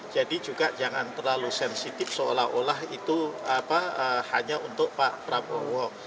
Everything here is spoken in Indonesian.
jadi juga jangan terlalu sensitif seolah olah itu hanya untuk pak prabowo